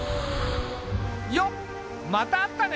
よっまた会ったね。